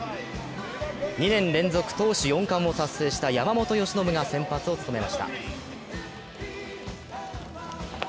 ２年連続投手４冠を達成した山本由伸が先発を務めました。